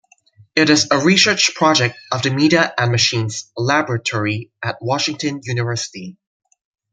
It is a research project of the Media and Machines Laboratory at Washington University.